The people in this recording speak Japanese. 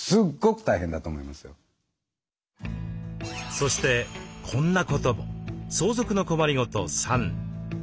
そしてこんなことも。